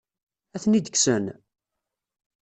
Ad ten-id-kksen?